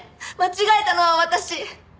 間違えたのは私。